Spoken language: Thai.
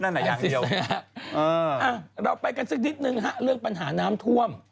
เราไปกันสักนิดนึงฮะเรื่องปัญหาน้ำท่วม